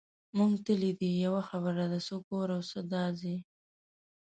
مونږ ته لیدې، یوه خبره ده، څه کور او څه دا ځای.